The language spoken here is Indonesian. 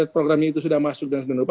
programnya itu sudah masuk dan sebagainya